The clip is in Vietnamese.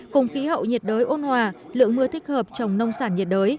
cùng khí hậu nhiệt đới ôn hòa lượng mưa thích hợp trong nông sản nhiệt đới